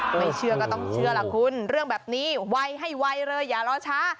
ไม่เชื่อก็ต้องเชื่อล่ะคุณเรื่องแบบนี้ไวให้ไวเลยอย่ารอช้า